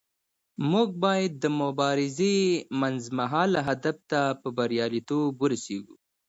موږ باید د مبارزې منځمهاله هدف ته په بریالیتوب ورسیږو.